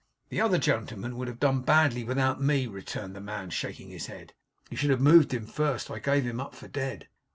'The other gentleman would have done badly without ME,' returned the man, shaking his head. 'You should have moved him first. I gave him up for dead.